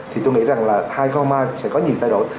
thì tôi nghĩ rằng là hai nghìn hai mươi sẽ có nhiều tài đổi